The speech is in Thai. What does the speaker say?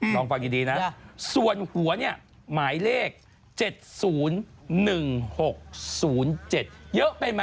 ลองฟังดีนะส่วนหัวเนี่ยหมายเลข๗๐๑๖๐๗เยอะไปไหม